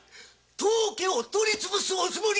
当家をつぶすおつもりか！？